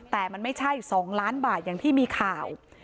แต่มันไม่ใช่๒ล้านบาทอย่างที่มีข่าว